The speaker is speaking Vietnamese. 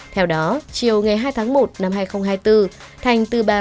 theo đó chiều ngày hai tháng một năm hai nghìn hai mươi bốn